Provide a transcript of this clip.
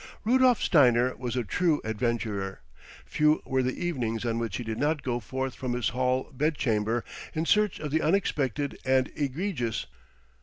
Rudolf Steiner was a true adventurer. Few were the evenings on which he did not go forth from his hall bedchamber in search of the unexpected and the egregious.